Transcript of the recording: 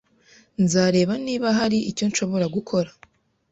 Nzareba niba hari icyo nshobora gukora.